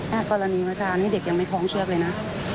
ในกรณีวัฒน์นี้เด็กยังไม่คล้องเชือกเลยนะ